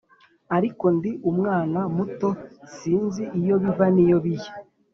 ariko ndi umwana muto; sinzi iyo biva n’iyo bijya.